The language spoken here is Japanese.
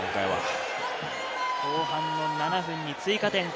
後半の７分に追加点。